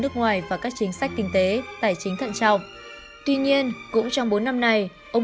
nước ngoài và các chính sách kinh tế tài chính thận trọng tuy nhiên cũng trong bốn năm nay ông